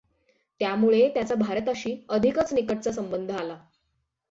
त्यामुळे त्याचा भारताशी अधिकच निकटचा संबंध आला.